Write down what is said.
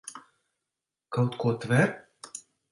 Kaut ko tver?